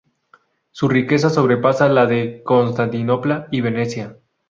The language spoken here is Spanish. Su riqueza sobrepasaba la de Constantinopla y Venecia.